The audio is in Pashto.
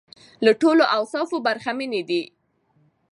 له ټولو اوصافو برخمنې دي.